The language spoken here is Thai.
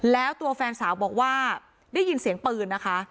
แล้วตัวแฟนสาวบอกว่าได้ยินเสียงปืนนะคะ